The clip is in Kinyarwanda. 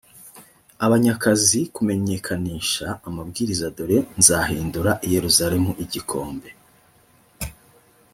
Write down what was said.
abanyakazi kumenyekanisha amabwiriza dore nzahindura i yerusalemu igikombe